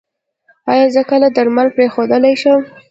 ایا زه کله درمل پریښودلی شم؟